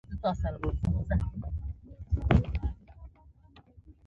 سارې نن داسې سوې وینا وکړله چې ټول خلک یې پرې خپه کړل.